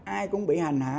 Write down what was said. ai cũng bị hành hạ